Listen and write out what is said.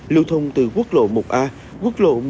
lưu thông từ quốc lộ một a quốc lộ một mươi bốn b